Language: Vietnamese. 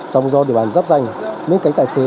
trong do địa bàn giáp danh những cánh tài xế